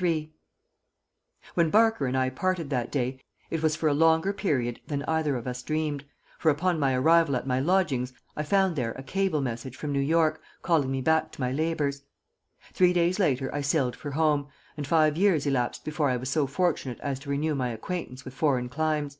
III When Barker and I parted that day it was for a longer period than either of us dreamed, for upon my arrival at my lodgings I found there a cable message from New York, calling me back to my labors. Three days later I sailed for home, and five years elapsed before I was so fortunate as to renew my acquaintance with foreign climes.